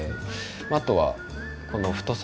あとはこの太さ。